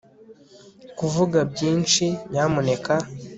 kuvuga, byinshi, nyamuneka